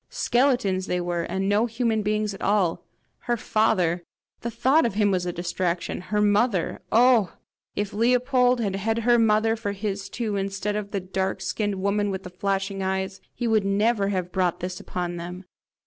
Skeletons they were, and no human beings at all! Her father! the thought of him was distraction! Her mother! Oh, if Leopold had had her mother for his too, instead of the dark skinned woman with the flashing eyes, he would never have brought this upon them!